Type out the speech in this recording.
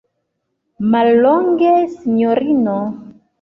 Mallonge, sinjorino.